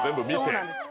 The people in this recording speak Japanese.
そうなんです。